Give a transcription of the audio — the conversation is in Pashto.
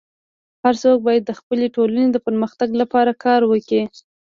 هر څوک باید د خپلي ټولني د پرمختګ لپاره کار وکړي.